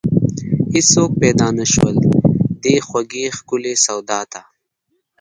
هیڅوک پیدا نشول، دې خوږې ښکلې سودا ته